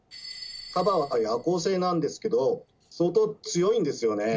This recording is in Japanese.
カバは夜行性なんですけど相当強いんですよね。